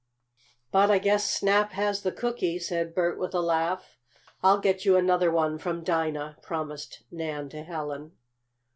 "But I guess Snap has the cookie," said Bert with a laugh. "I'll get you another one from Dinah," promised Nan to Helen.